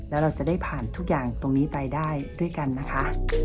แล้วเราจะได้ผ่านทุกอย่างตรงนี้ไปได้ด้วยกันนะคะ